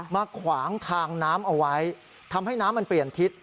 ขวางทางน้ำเอาไว้ทำให้น้ำมันเปลี่ยนทิศ